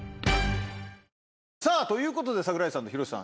さぁということで櫻井さんと広瀬さん。